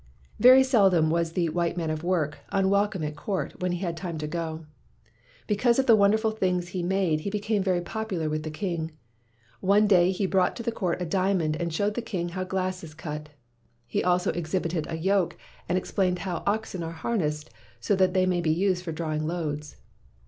Very seldom was the "white man of work" unwelcome at court when he had time to go. Because of the wonderful things he made he became very popular with the king. One day he brought to the court a diamond and showed the king how glass is cut. He also exhibited a yoke and explained how oxen are harnessed so that they may be used for drawing loads.